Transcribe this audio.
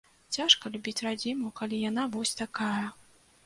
Цяжка любіць радзіму, калі яна вось такая.